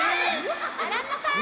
ならんのかい！